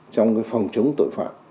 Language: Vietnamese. trong cái phòng chống tội phạm